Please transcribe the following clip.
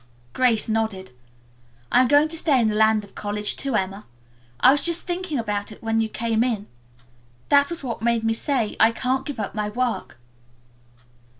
Grace nodded. "I'm going to stay in the Land of College too, Emma. I was just thinking about it when you came in. That was what made me say, 'I can't give up my work.'"